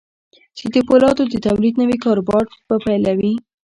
چې د پولادو د توليد نوي کاروبار به پيلوي.